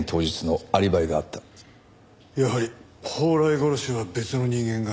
やはり宝来殺しは別の人間が。